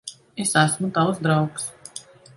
Es esmu tavs draugs.